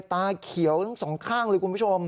ตาเขียวทั้งสองข้างเลยคุณผู้ชม